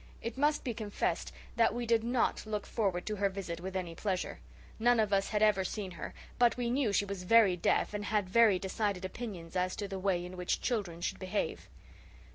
It must be confessed that we did not look forward to her visit with any pleasure. None of us had ever seen her, but we knew she was very deaf, and had very decided opinions as to the way in which children should behave.